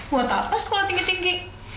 buat apa sekolah tinggi tinggi